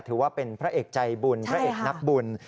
ถือว่าเป็นพระเอกใจบุญพระเอกนักบุญ